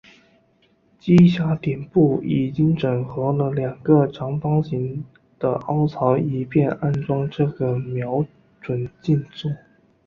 机匣顶部已经整合了两个长方形的凹槽以便安装这个瞄准镜座。